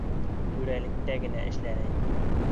Түрәлектә генә эшләне.